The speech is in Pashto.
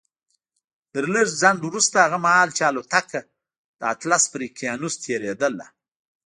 تر لږ ځنډ وروسته هغه مهال چې الوتکه د اطلس پر اقيانوس تېرېدله.